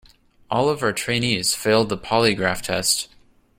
All of our trainees failed the polygraph test.